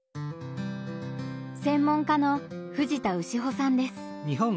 専門家の藤田潮さんです。